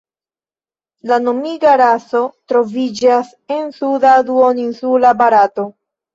La nomiga raso troviĝas en suda duoninsula Barato.